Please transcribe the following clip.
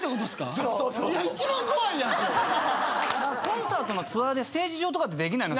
コンサートのツアーでステージ上とかでできないの？